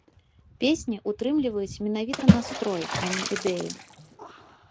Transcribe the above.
Песні ўтрымліваюць менавіта настрой, а не ідэю.